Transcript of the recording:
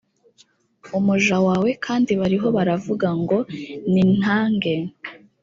umuja wawe kandi bariho baravuga ngo nintange